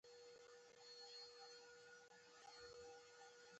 انار د ټولو افغانانو ژوند په بېلابېلو ډولونو باندې اغېزمنوي.